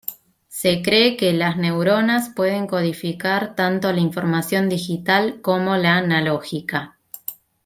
Se cree que las neuronas pueden codificar tanto la información digital como la analógica.